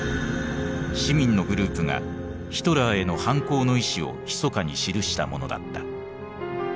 市民のグループがヒトラーへの反抗の意志をひそかに記したものだった。